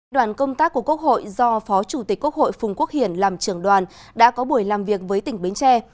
đoàn công tác của quốc hội do phó chủ tịch quốc hội phùng quốc hiển làm trưởng đoàn đã có buổi làm việc với tỉnh bến tre